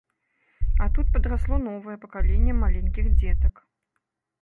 А тут падрасло новае пакаленне маленькіх дзетак.